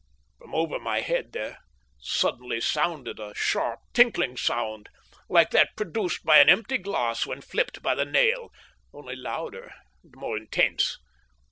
From over my head there suddenly sounded a sharp, tinkling sound, like that produced by an empty glass when flipped by the nail, only louder and more intense.